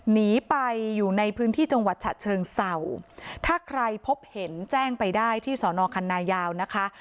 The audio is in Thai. หนีไปอยู่ในพื้นที่จังหวัดฉะเชิงเศร้าถ้าใครพบเห็นแจ้งไปได้ที่สอนอคันนายาวนะคะ